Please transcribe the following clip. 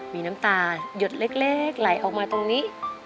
มีน้ำตายดเล็กไหลออกมาตรงนี้